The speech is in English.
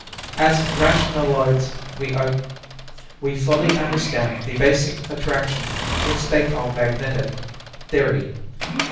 As rationaloids we fully understand the basic attraction which they call magnetic theory.